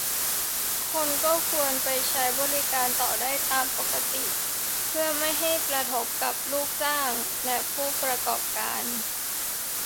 คนก็ควรไปใช้บริการต่อได้ตามปกติ เพื่อไม่ให้กระทบกับลูกจ้างและผู้ประกอบการ